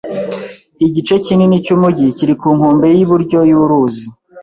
Igice kinini cy'umujyi kiri ku nkombe y'iburyo y'uruzi.